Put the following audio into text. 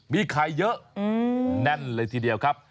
มีไข่เยอะแน่นเลยทีเดียวครับ